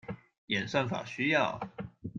演算法需要